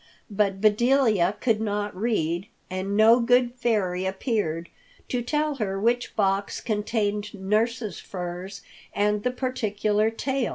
But Bedelia could not read, and no good fairy appeared to tell her which box contained nurse's furs and the particular tail.